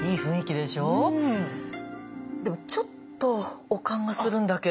でもちょっと悪寒がするんだけど。